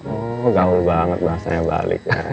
oh gaul banget bahasanya balik